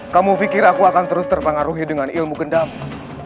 kamu pikir aku akan terus terpengaruhi dengan ilmu kedama